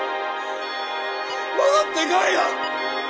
戻ってこいよ